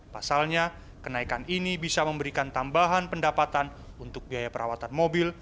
pasalnya kenaikan ini bisa memberikan tambahan pendapatan untuk biaya perawatan mobil